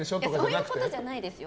そういうことじゃないですよ。